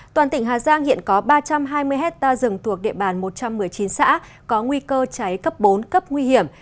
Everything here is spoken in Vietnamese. toàn tỉnh hà giang hiện có ba trăm hai mươi hectare rừng thuộc địa bàn một trăm một mươi chín xã có nguy cơ cháy cấp bốn cấp nguy hiểm